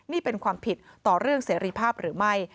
นี่เป็นความผิดต่อเรื่องเสรีภาพหรือไม่